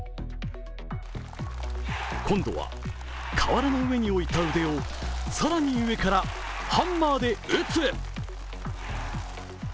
今度はかわらの上に置いた腕を更に上からハンマーで打つ。